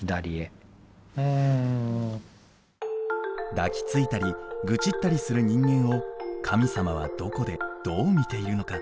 抱きついたり愚痴ったりする人間を神様はどこでどう見ているのか。